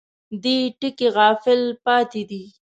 دې ټکي غافل پاتې دي.